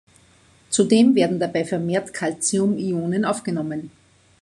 Zudem werden dabei vermehrt Calcium-Ionen aufgenommen.